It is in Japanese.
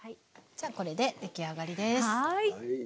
じゃあこれで出来上がりです。